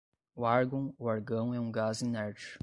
O árgon ou argão é um gás inerte.